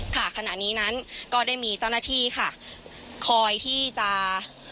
ขณะนี้นั้นก็ได้มีเจ้าหน้าที่ค่ะคอยที่จะ